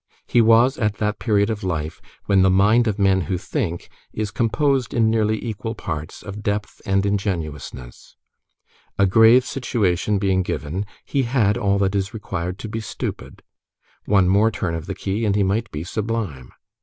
He was at that period of life when the mind of men who think is composed, in nearly equal parts, of depth and ingenuousness. A grave situation being given, he had all that is required to be stupid: one more turn of the key, and he might be sublime.